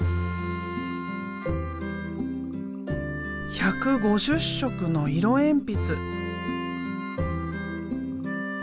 １５０色の色鉛筆。